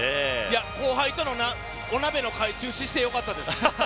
後輩とのお鍋の会を中止して良かったです。